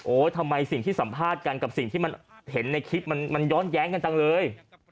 ทำไมสิ่งที่สัมภาษณ์กันกับสิ่งที่มันเห็นในคลิปมันย้อนแย้งกันจังเลย